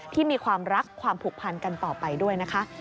ที่มีความรักความผูกพันกันต่อไปด้วยนะคะ